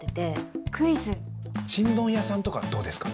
ちんどん屋さんとかどうですか？